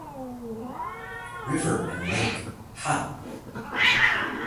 River and Lake Ha!